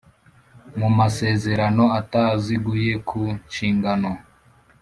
Mu masezerano ataziguye ku nshingano